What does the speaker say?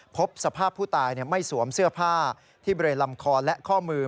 พบสภาพผู้ตายไม่สวมเสื้อผ้าที่บริเวณลำคอและข้อมือ